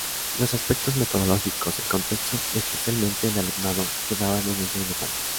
Los aspectos metodológicos, el contexto y, especialmente, el alumnado, quedaban en un segundo plano.